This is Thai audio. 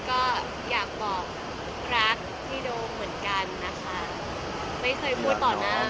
ก็อยากบอกรักพี่โดมเหมือนกันนะคะ